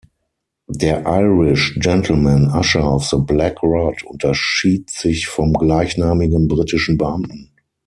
Der Irish Gentleman Usher of the Black Rod unterschied sich vom gleichnamigen britischen Beamten.